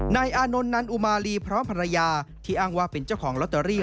อานนท์นั้นอุมาลีพร้อมภรรยาที่อ้างว่าเป็นเจ้าของลอตเตอรี่